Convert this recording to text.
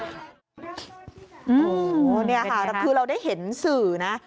โอ้โหเนี่ยค่ะคือเราได้เห็นสื่อนะ